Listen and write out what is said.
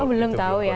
oh belum tahu ya